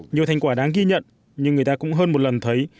nhiều thành quả đáng ghi nhận nhưng người ta cũng hơn một lần thấy